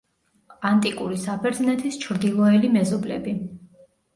ანტიკური საბერძნეთის ჩრდილოელი მეზობლები.